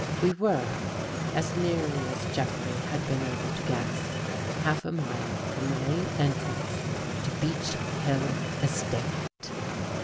We were, as nearly as Jeffrey had been able to guess, half a mile from the main entrance to Beech Hill estate.